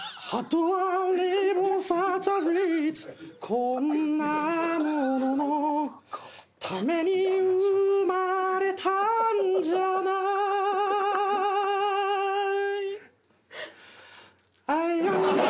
「こんなもののために生まれたんじゃない」「ＩａｍＧＯＤ’Ｓ」